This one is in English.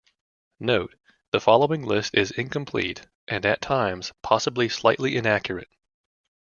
Note: The following list is incomplete and, at times, possibly slightly inaccurate.